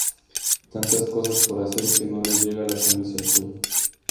Tantas cosas por hacer que no le llega la camisa al cuello